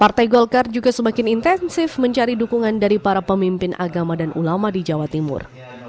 partai golkar juga semakin intensif mencari dukungan dari para pemimpin agama dan ulama di jawa timur